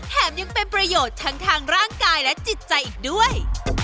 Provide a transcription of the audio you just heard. แถมยังเป็นประโยชน์ทั้งทางร่างกายและจิตใจอีกด้วย